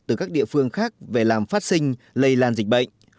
từ các địa phương khác về làm phát sinh lây lan dịch bệnh